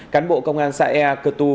cán bộ công an xã ea cơ tu